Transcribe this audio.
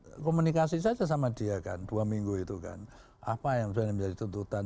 aku kan lewat komunikasi saja sama dia kan dua minggu itu kan apa yang sebenarnya menjadi tuntutan